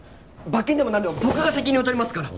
罰金でもなんでも僕が責任を取りますから！